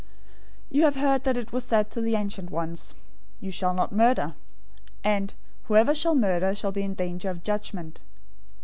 005:021 "You have heard that it was said to the ancient ones, 'You shall not murder;'{Exodus 20:13} and 'Whoever shall murder shall be in danger of the judgment.'